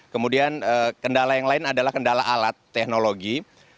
kemudian kendala yang lain adalah kendala alat teknologi